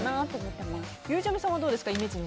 ゆうちゃみさんはどうですか？